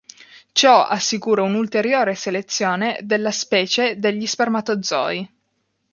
Ciò assicura un'ulteriore selezione della specie degli spermatozoi.